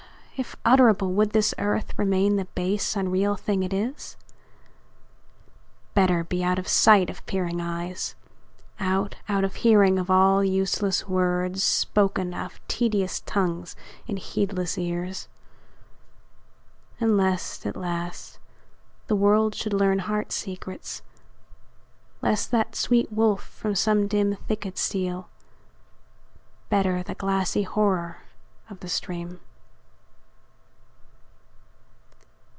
if utterable, would this earth Remain the base, unreal thing it is? Better be out of sight of peering eyes; Out out of hearing of all useless words, Spoken of tedious tongues in heedless ears. And lest, at last, the world should learn heart secrets; Lest that sweet wolf from some dim thicket steal; Better the glassy horror of the stream.